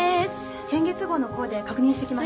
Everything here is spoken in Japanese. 先月号のコーデ確認してきます。